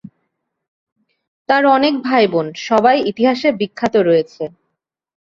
তার অনেক ভাই বোন সবাই ইতিহাসে বিখ্যাত রয়েছে।